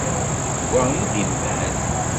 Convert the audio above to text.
D wa i d imal?